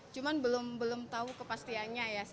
cuman belum tahu kepastiannya